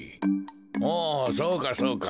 おそうかそうか。